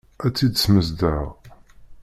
Ad tt-id-smesdeɣ.